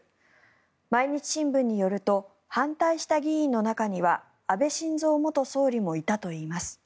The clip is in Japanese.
毎日新聞によると反対した議員の中には安倍晋三元総理もいたといいます。